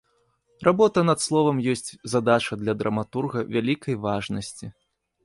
Работа над словам ёсць задача для драматурга вялікай важнасці.